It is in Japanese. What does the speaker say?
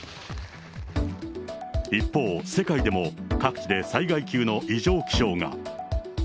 一方、世界でも、各地で災害級の異常気象が。